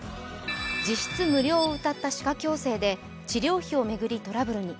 実質無料をうたった歯科矯正で治療費を巡りトラブルに。